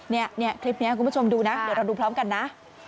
เนี่ยคลิปนี้คุณผู้ชมดูนะเดี๋ยวเราดูพร้อมกันนะ